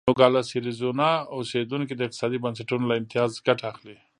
نوګالس اریزونا اوسېدونکي د اقتصادي بنسټونو له امتیاز ګټه اخلي.